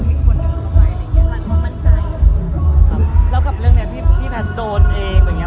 แล้วกับเรื่องเนี้ยที่พัฒโดรนเอง